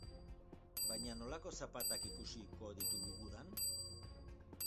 Baina nolako zapatak ikusiko ditugu udan?